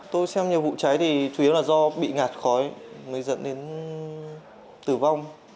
tôi xem nhiều vụ cháy thì chủ yếu là do bị ngạt khói mới dẫn đến tử vong